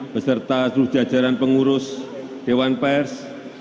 beserta seluruh jajaran pengurus dewan pers